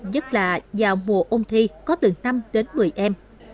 nhất là vào mùa ôn thi có từ năm đến một mươi em